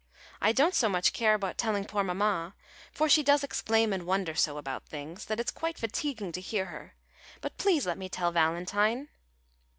I don't so much care about telling poor mamma; for she does exclaim and wonder so about things, that it is quite fatiguing to hear her. But please let me tell Valentine?"